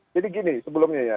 jadi gini sebelumnya ya